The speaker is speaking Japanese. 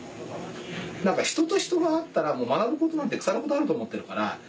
人と人が会ったら学ぶことなんて腐るほどあると思ってるから。